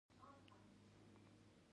اور او دود زیات دي، خو هغه پروا نه لري.